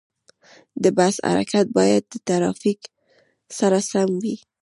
د بس حرکت باید د ترافیک سره سم وي.